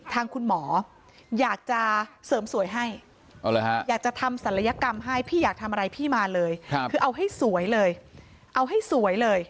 ทำศัลยกรรมให้พี่อยากทำอะไรพี่มาเลยคือเอาให้สวยเลยเอาให้สวยเลย